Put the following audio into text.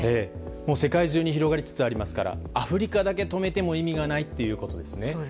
世界中に広がりつつありますからアフリカだけ止めても意味がないということですね。